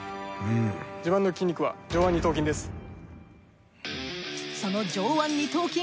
自慢の筋肉は上腕二頭筋です。